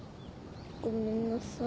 ごめんなさい。